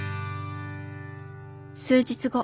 数日後。